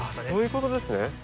そういうことですね。